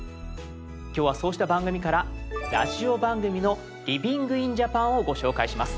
今日はそうした番組からラジオ番組の「ＬｉｖｉｎｇｉｎＪａｐａｎ」をご紹介します。